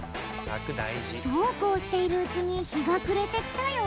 そうこうしているうちにひがくれてきたよ。